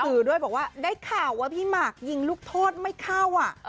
สื่อด้วยบอกว่าได้ข่าวว่าพี่หมากยิงลูกโทษไม่เข้า